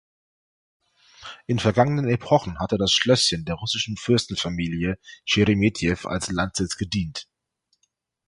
In vergangenen Epochen hatte das Schlösschen der russischen Fürstenfamilie Scheremetew als Landsitz gedient.